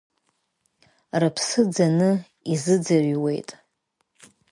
Рыԥсы ӡаны изыӡырҩуеит.